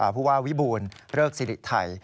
ผู้ว่าวิบูลเริกสิริไทย